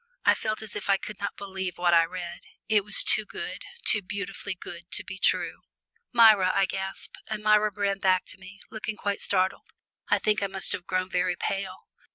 I felt as if I could not believe what I read. It was too good, too beautifully good to be true. "Myra," I gasped, and Myra ran back to me, looking quite startled. I think I must have grown very pale.